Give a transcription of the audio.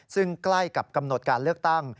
ซึ่งใกล้กับกำหนดการเลือกตั้ง